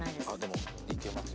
でもいけます。